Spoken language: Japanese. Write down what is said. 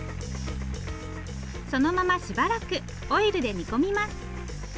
そのまましばらくオイルで煮込みます。